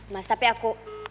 mas tapi aku